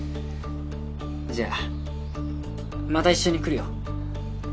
じゃあまた一緒に来るよ。